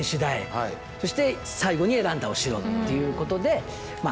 そして最後に選んだお城ということでまあ